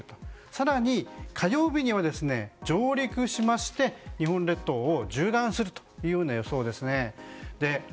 更に火曜日には上陸しまして日本列島を日本列島を縦断するような予想です。